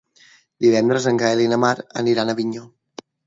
Divendres en Gaël i na Mar aniran a Avinyó.